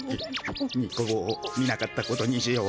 ニコ坊見なかったことにしよう。